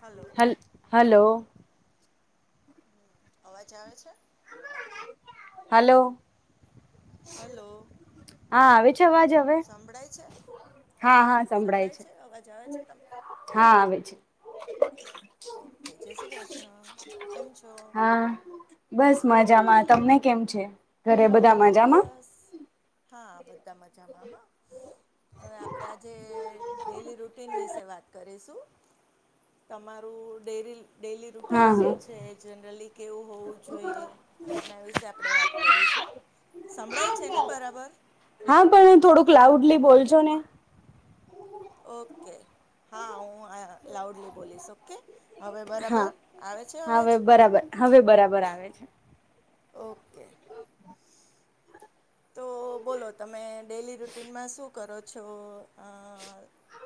Hello હલ્ hello. અવાજ આવે છે. હલોલો. હલો. હા આવે છે અવાજ હવે સંભળાય છે? હા હા સંભળાય છે અવાજ આવે છે તમને હા આવે છે. ઓકે જય શ્રી કૃષ્ણ કેમ છો. હા બસ મજામાં તમને કેમ છે ઘરે બધા મજામાં. બસ હા બધા મજામાં હા. હવે આપણેે આજે ડેલી રૂટીન વિશે વાત કરીશું. તમારું ડેરી ડેલી હા રૂટીન શું હા છે જનરલી કેવું હોવું જોઈએ. એના વિશે આપડે વાત કરીશું સંભળાય છે ને બરાબર. હા પણ થોડુંક લાઉડલી બોલજો ને ઓકે હા હું લાઉડલી બોલીશ ઓકે હવે બરાબર હા આવે છે અવાજ હવે બરાબર હવે બરાબર આવે છે [unintelligible] ઓકે તો બોલો તમે ડેલી રૂટીનમાં શું કરો છો. અ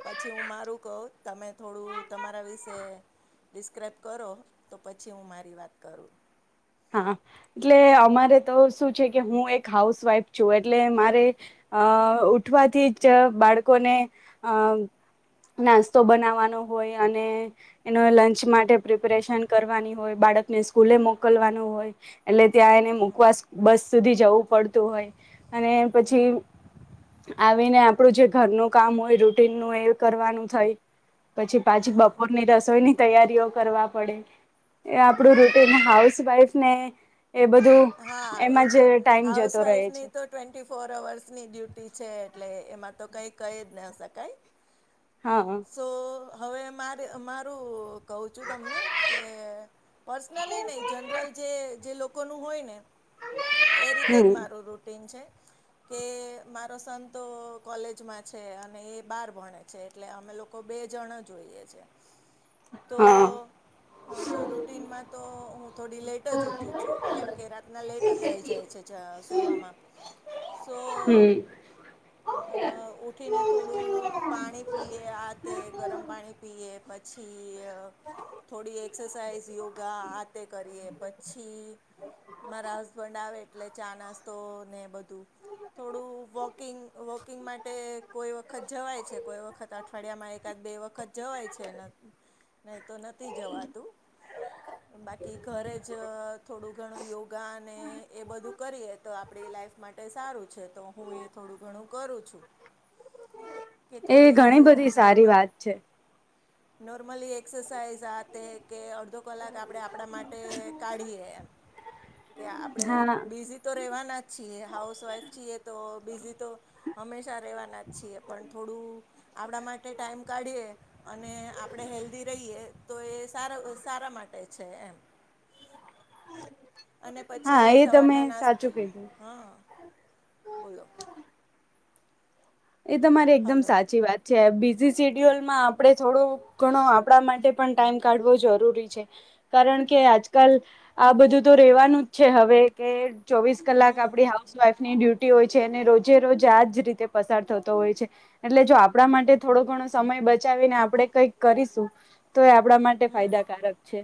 પછી હું મારું કહું તમે થોડું તમારા વિશે ડિસ્ક્રાઈબ કરો તો પછી હું મારી વાત કરું હા એટલે અમારે તો શું છે કે હું એક હાઉસવાઈફ છું એટલે મારે અ ઉઠવાથી જ બાળકોને અ નાસ્તો બનાવાનો હોય અને એનો લંચ માટે પ્રિપરેશન કરવાની હોય બાળકને સ્કૂલે મોકલવાનું હોય એટલે ત્યાં એને મકવા બસ સુધી જવું પડતું હોય અને પછી આવીને આપણું જે ઘરનું કામ હોય રૂટીન નું એ કરવાનું થાય પછી પાછી બપોરની રસોઈની તૈયારીઓ કરવા પડે એ આપણું હા રૂટીન બરાબર હાઉસવાઈફ ને એ બધું હા એ એમાં તો જ ટાઈમ જતો રહે હાઉસવાઈફની છે તો ટ્વેન્ટી ફોર અવર્સની ડ્યુટી છે એટલે એમાં ક ક હ હા [unintelligible] મ્હારો કહું જો તમે એ પર્સનલી નહી જનરલ જે હોય ને એ રીતે જ હમ મારું રૂટીન છે કે મારો સંતો કોલેજમાં છે અને એ બાર ભણે છે એટલે અમે લોકો બે જણા જોઈએ છે હા તો અ રૂટનમાં તો હું થોડી લેટ જ ઉઠું છું કેમકે રા લેટ જ થઈ જાય છે સુવામાં સ અ હમ ઉઠીને થોડું પાણી પીએ આ તે ગરમ પાણી પીએ કે પછી થોડી એક્સરસાઇઝ યોગા આ તે કરીએ પછી મારા હસબન્ડ આવે એટલે ચાણસ તો ને બધું થોડું વોકિંગ વોકિંગ માટે કોઈ વખત જવાય છે કોઈ વખત અઠવાડિયામાં એકાદ બે વખત જવાય છે નહી તો નથી જવાતું. બાકી ઘરે જ અ થોડું ઘણું યોગ ગાને એ બધું કરીએ તો આપણી લાઈફ માટે સારું છે. તો હું એ થોડું ઘણું કરું છું. [inaudible] એ ઘણી થોડી બધી સારી નોર્મલ વાત છે. નોર્મલી એક્સસાાઈઝ રાતે કે અડધો કલાક આપણેે આપણા માટે કાઢીએ એમ કે આપણેે હા બીઝી તો રેવાના જ છીએ હાઉસવાઈફ છીએ તો બીઝી તો હંમેશ શા રહેવાના જ છીએ. પણ થોડું આપણા માટે ટાઈમ કાઢીએ અને આપણે હેલ્ધી રહીએ તો એ સારા, સારા માટે છે એમ [inaudible] અને હા પછી એ તમે સવારના નાસ્તા, સાચું હ, કીધું હા, બોલો એ તમારી એકદમ હલો સાચી વાત છે જી સીડ્યુલમાં આપણે થોડો ઘણો આપણા માટે પણ ટાઈમ કાઢવો જરૂરી છે, કારણ કે આજકાલ આ બધું તો રેવાનું જ છે હવે કે ચોવીસ કલાક આપડી હાઉસવાઈફ ની ડ્યુટી હોય છે અને રોજે રોજ આજ રીતે પસાર થતો હોય છે. એટલે જો આપણા માટે થોડો ઘણો સમય બચાવીને આપણે કઈક કરીશું તો એ આપણા માટે ફાયદાકારક છે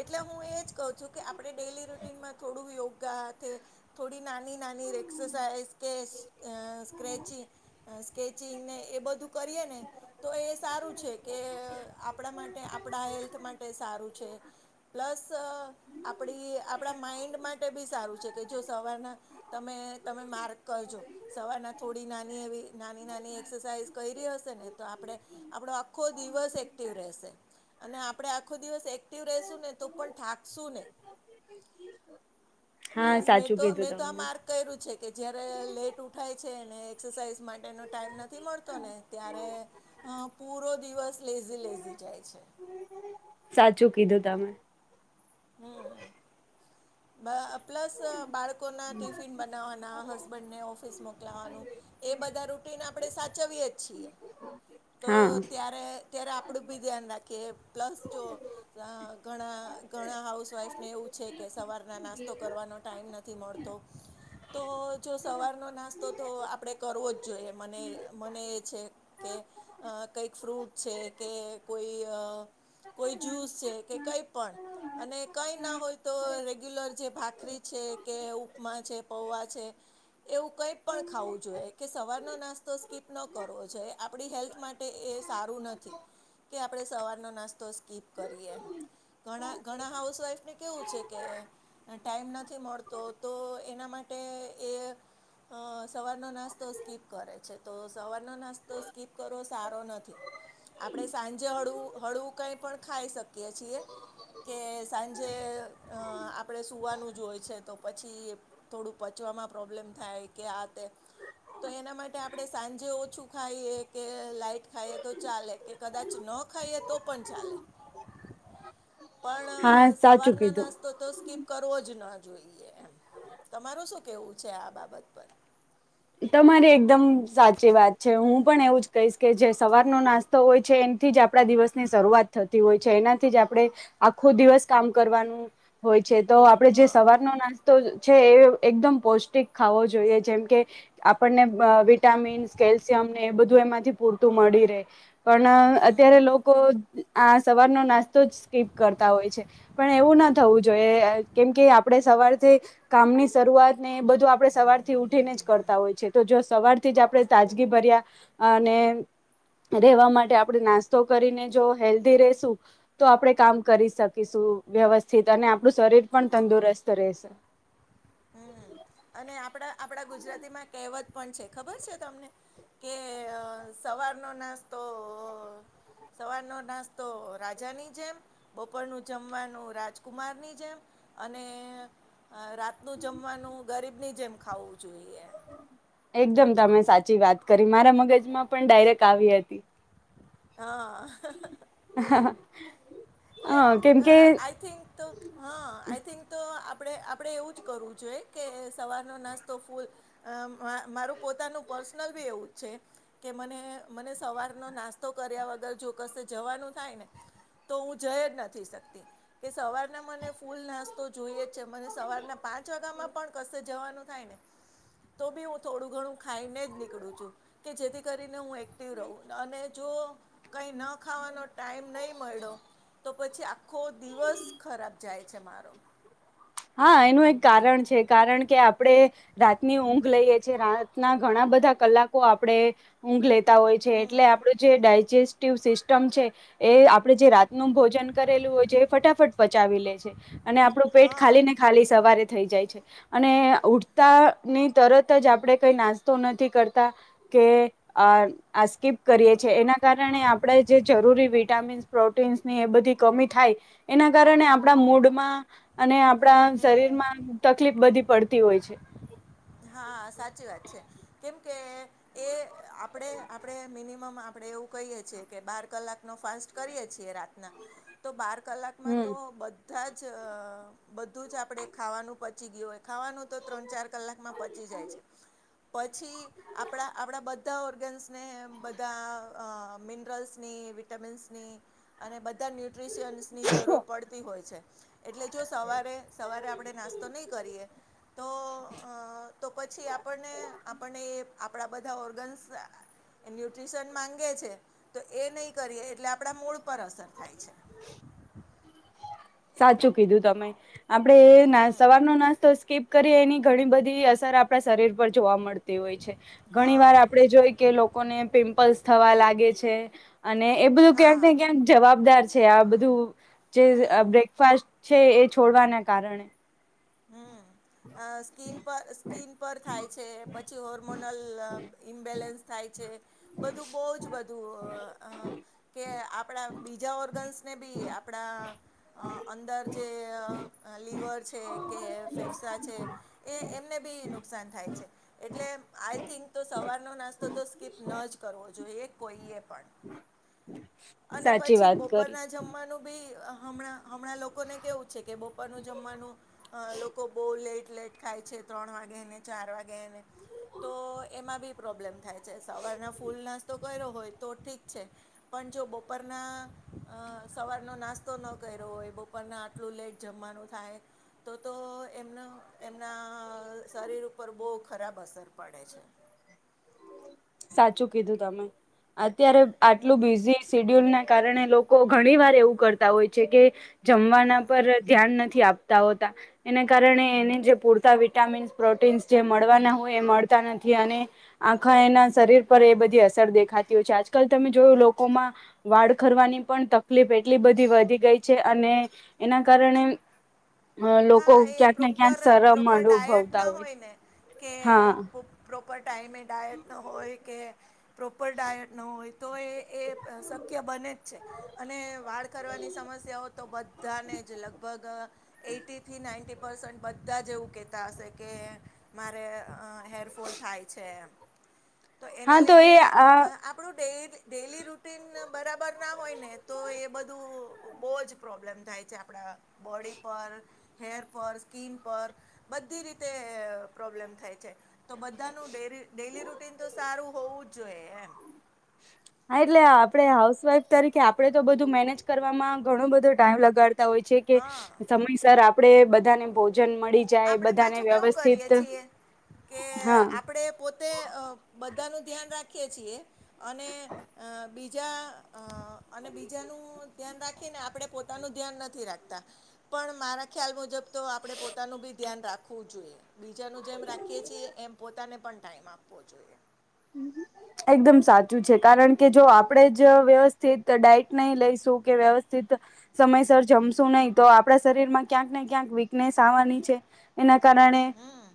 એટલે હું એજ કહ્યું છું કે આપણે ડેઈલી રૂટીનમાં થોડું યોગા કે થોડી નાની, નાની, એક્સસાાઈઝ કે અ સ્કેચિંગ સ્કેચિંગ ને એ બધું કરીએ ને તો એ સારું છે કે આપણા મા આપણા હેલ્થ માટે સારું છે, પ્લસ આપણી આપણા માઇન્ડ માટે બી સારું છે કે જો સવારના તમે તમે માર્ગ કરજો સવારના થોડી નાની એવી નાની, નાની એક્સરસાાઈઝ કયરી હશે ને તો આપણે આપણો આખો દિવસ એક્ટિવ રહેશે અને આપણેે આખો દિવસ એક્ટિવ રેશું ને તો પણ થાકશું નહી અને હા મેં, સાચું તો, કીધું મેં તો આ તમે માર્ક કર્યું છે કે જ્યારે લેટ ઉઠાય છે ને એક્સરસાઇઝ માટેનો ટાઈમ નથી મળતો ને ત્યારે હા પૂરો દિવસ લેઝી લેઝી જાય છે સાચું કીધું તમે હમ્મ બ પ્લસ બાળકોના ટિફિન બનાવવાના હસ બંને ઓફિસ મોકલાવાનું એ બધા રૂટીન આપણે સાચવીય જ છીએ તો હા ત્યારે ત્યારે આપણું બી ધ્યાન રાખીએ, પ્લસ જો અ ઘણા ઘણા હાઉસવાઇફને એવું છે કે સવારના નાસ્તો કરવાનો ટાઈમ નથી મળતો તો, જો સવારનો નાસ્તો તો આપણેે કરવો જ જોઈએ મને મને એ છે કે અ કઈક ફ્રૂટ છે કે કોઈ અ કોઈ જ્યુસ છે કે કઈ પણ અને કઈ ના હોય તો રેગ્યુલર જે ભાખરી છે કે ઉપમા છે, પૌવા છે એવું કંઈ પણ ખાવું જોઈએ કે સવારનો નાસ્તો સ્કીપ ન કરવો જોઈએ, આપડી હેલ્થ માટે એ એ સારું નથી કે આપણે સવાર ન નાસ્તો સ્કીપ કરીએ એમ. ઘણા ઘણા હાઉસવાઈફને કેવું છે કે ટાઈમ નથી મળતો તો એના માટે એ અ સવારનો નાસ્તો સ્કીપ કરે છે. તો સવારનો નાસ્તો સ્કીપ કરવો સારો નથી. આપડણે સાંજે હળુ હળવુ કઈ પણ ખાઈ શકીએ છીએ. કે સાંજે અ આપ આપણે સૂવાનું જો હોઈ છે તો પછી થોડું પચવામાં પ્રોબ્લેમ થાય કે આ તે તો એના માટે આપડે સાંજે ઓછું ખાઈએ કે લાઈટ ખાઈએ તો ચાલે કે કદાચ ન ખાઈએ તો પણ ચાલે. પણ હા સાચું સવારના કીધું નાસતો તો સ્કીિપ કરવો જ ન જોઈએ એમ તમારું શું કેવું છે આ બાબત પર. તમારી એકદમ સાચી વાત છે. હું પણ એવું જ કહીશ કે જે સવારનો નાસ્તો હોય છે એ થી જ આપડા દિવસની શરૂઆત થતી હોય છે. એનાથી જ આપડે આખો દિવસ કામ કરવાનું હોય છે તો આપડે જે હા સવારનો નાસ્તો છે એ એકદમ પૌષ્ટિક ખાવો જોઈએ જેમ કે આપણને વિટામીન્સ, કેલ્શિયમ ને એ બધું એમાંથી પૂરતું મળી રહે પણ અત્યારે લોકો આ સવારનો નાસ્તો જ સ્કીપ કરતા હોય છે. પણ એવું ન થવું જોઈએ કેમ કે આપડે આપડે સવારથી કામની શરૂઆતને એ બધું આપડે સવારથી ઉઠી ને જ કરતા તા હોય છે. તો જો સવારથી જ આપડે તાજગી ભર્યા અને રહેવા માટે આપડે નાસ્તો કરીને જો હેલ્ધી રેશુ તો આપડે કામ કરી શકીશું. વ્યવસ્થિત અને આપણું શરીર પણ તંદુરસ્ત રહેશે. હમ અને આપડા આપડા ગુજરાતીમાં કહેવત પણ છે ખબર છે તમને કે સવારનો નાસ્તો સવારનો નાસ્તો રાજાની જેમ બપો ઉપરનું જમવાનું રાજકુમારની જેમ અને રા નું જમવાનું ગરીબની જેમ ખાવું જોઈએ. એકદમ તમે સાચી વાત કરી મારા મગજમાં પણ ડાયરેક્ટ આવી હતી. હઅ હ એટલે અ કેમકે આઈ થિંક તો, હ આઈ થિંક તો તો આપડે આપડે એવું જ કરવું જોઈએ કે સવારનો નાસ્તો ફૂલ અ મારું પોતા નું પર્સનલ બી એવું છે, કે મને મને સવારનો નાસ્તો કર્યા વગર જો કશે નું થાયને તો હું જઈ જ નથી શકતી કે સવારના મને ફૂલ નાસ્તો જોઈએ છે. મને સવારના પાંચ વાગ્યામાં પણ કશે જવાનું થાય ને તો બી હું થોડું ઘણું ખાઈને જ નીકળું છું કે જેથી કરીને હું ટીવ રઉ. અને જો કઈ ન ખાવાનો ટાઈમ નહી મળ્યો તો પછી આખો દિવસ ખરાબ જાય છે મારો. હા એનું એક કારણ છે. કારણ કે આપડે રાતની ઊંઘ લઈએ છીએ. રાતના ઘણા બધા કલાકો આપડે ઊંઘ લેતા હોય છે. એટલે આપડું જે ડા સ્ટિવ સિસ્ટમ છે એ આપડે જે રાતનું ભોજન કરેલું હોય છે એ ફટાફટ પચાવી લે છે અને આપણું પેટ હા ખાલી ને ખાલી સવારે થઈ જાય છે અને ઉઠતાની તરત જ આપડે કઈ નાસ્તો નથી કરતા કે અ આ સ્કીપ કરીએ છીએ. એના કારણે આપડે જે જરૂરી વિટામિન્સ પ્રોટીન ની બધી કમી થાય એના કારણે આપડા મૂડમાં અને આપડા શરીરમાં તકલીફ બધી પડતી હોય છે. હા સાચી વાત છે કેમ આપડે આપડે મિનિમમ આપડે એવું કહીએ છીએ કે બાર કલાકનો ફાસ્ટ કરીએ છીએ રાત્ર ના તો બાર કલાકમાં તો હમ બધા જ બધું જ આપડે ખાવાનું પચી ગયું હોય ખાવાનું તો ત્રણ ચાર કલાકમાં પચી જાય છે પછી આપડા આપડા બધા ઓર્ગેન્સને બધા અ મિનરલ્સની વિટામિન્સની અને બધ બધા ન્યુટ્રીશીયન્સની જરૂર પડતી હોય છે. એટલે જો સવારે સવારે આપડે નાસ્તો નહીં કર કરીએ તો તો પછી આપડને આપડને એ આપડા બધા ઓર્ગન્સ એ ન્યુટ્રીશન માંગે છે. તો એ નહી કરીએ એટલે આપડા મૂડ પર અસર થાય છે. સાચું કીધું તમે આપડે ન હમ સવારનો નાસ્તો સ્કીપ કરી એની ઘણી બધી અસર આપડા શરીર પર જોવા મળતી તી હોય છે. ઘણી હા વાર આપડે જોઈ કે લોકોને પિમ્પલ્સ થવા લાગે છે. અને એ બધું ક્યાંક હા ને ક્યાંક જવાબદાર છે. આ બધું જે ફ છે એ છોડવાના કારણે હમ સ્કીન પર સ્કીિન પર થાય છે પછી હોર્મોનલ ઇમ્બેલેન્સ થાય થાય છે બધું બહ જ બધું કે આપડા બીજા ઓર્ગન્સ ને બી આપણા અંદર જે લિવર છે કે ફેફસા છે એ એમને બી નુકસાન થાય છે એટલે આઈ થિંક તો સવા અારનો નાસ્તો તો સ્કીપ ન જ કરવો જોઈએ કોઈએ અને સાચી પછી વાત કરી બપોરના જમવાનું બી હમણાં હમણાં લોકોને કેવું છે કે બપરનું જમવાનું. લોકો બહુ લેટ લેટ ખાય છે ત્રણ વાગે ને ચાર વાગે એને. તો એમાં બી પ્રોબ્લેમ થાય છે સવારના ફૂલ નાસ્તો કર્યો હોય તો ઠીક છે, પણ પણ જો બપરના સવારનો નાસ્તો ન કર્યો હોય બપોરના આટલું લેટ જમવાનું. થાય, તો તો એમ એમના શરીર ઉપર બહુ ખરાબ અસર પડે. પડે છે. સાચું કીધું તમે અત્યારે હમ આટલું બીઝી સેડ્યુલ ના કારણે લોકો ઘણી વાર એવું કરતા હોય છે કે, જમવાના પર ધ્યાન નથી આપ એના કારણે એને જે પૂરતા વિટામીન્સ પ્રોટીન્સ જે મળવાના હોય એ નથી અને, આખા એના શરીર પર એ બધી અસર દેખાતી હોય છે આજકાલ તમે જોયું લોકોમાં વાળ ખરવાની પણ તકલીફ એટલી બધી વધી ગઈ છે અને, એના કારણે અ લોકો હા એ ક્યાંક ને ક્યાંક પ્રોપર શરમ પ્રોપર ડાયટ અનુભવતા ના હોય છે, ને કે હા. પ્રોપર ટાઈમે ડાયટ ન હોય કે, પ્રોપર ડાયટ ન હોય તો એ એ શખ્ય કે બને જ છે, અને વાળ કરવાની સમસ્યાઓ તો બધાને જ લગભગ, એટ એીથી નાઇન્ટી પર્સન્ટ બધા જ એવું કહેતા હશે કે, મારે અ હેરફોલ થાય છે એ. તો હા એના લીધે એ આ આપણું ડેલી રૂટીન બરાબર ના હોય ને તો એ બધું બહુ જ પ્રોબ્લેમ થાય છે આપણા બોડી પર. હેર પર સ્કીિન પર, બધી રીતે પ્રોબ્લેમ થાય છે, તો બધાનું ડેલી રૂટીન તો સારું હોવું જ જોઈએ એમ. હા એટલે આપડે હાઉસવાઈફ તરીકે આપડે તો બધું મેનેજ કરવામાં ઘણું બધો ટાઈમ લગાડ હોય છે કે, હા સમયસર આપણેે બધાને પહ જાય આપણે બધાને પાછું કેવું કરીએ વ્યવસ્થિત છીએ કે હા આપડે પોતે બધા ન ધ્યાન રાખીએ છીએ. અને બીજા અને બીજાનું ધ્યાન રાખીને આપણે પોતાનું ધ્યાન નથી રાખતા, પણ મારા ખ્યાલ મુજબ તો આપણે પોતાનું બી ધ્યાન રાખવું જોઈએ, બીજાનું જેમ રાખીએ છીએ એમ પોતાને પણ ટાઈમ આપવો જોઈએ. હમ. એકદમ સાચું છે કારણ કે જો આપણેે જ વ્યવસ્થિત ડઇટ નહી લઈશું કે વ્યવસ્થિત સમયસર જમશું નહીિ તો આપણા શરીર માં ક્યાંક ને ક્યાંક વીકનેસ આવવાની છે, એના હમ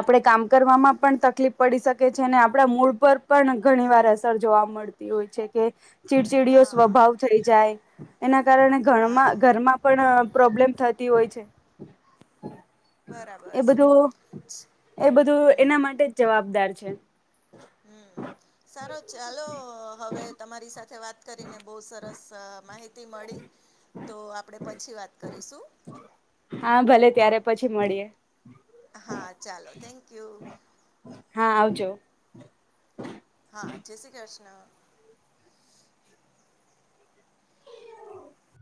આપણે કામ કરવામાં પણ તકલીફ પડી શકે છે. છે ને આપણા મૂળ પર પણ ઘણી વાર અસર જોવા મળતી હોય છે. કે ચીડચીડીઓ હા સ્વભાવ થઈ જાય. એના કારણે હા ઘરમાં ઘરમાં પણ પ્રોબ્લેમ થતી હોય છે. બરાબર એ છે બધું એ બધું એના માટે જ જવાબદાર છે. હમ સારો ત કરીને બહુ સરસ માહિતી મળી તો આપડે પછી વાત કરીશું. હા ભલે ત્યારે પછી મળીએ. હા ચાલો. Thank you. [unintelligible] હા ચેસી કૃષ્ણ. [inaudible]